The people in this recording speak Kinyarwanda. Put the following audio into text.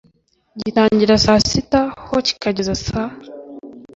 Gitangira saa sita h kikageza saa